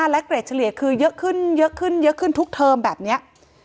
และเกรดเฉลี่ยคือเยอะขึ้นเยอะขึ้นเยอะขึ้นทุกเทอมแบบนี้